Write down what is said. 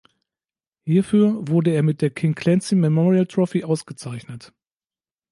Hierfür wurde er mit der King Clancy Memorial Trophy ausgezeichnet.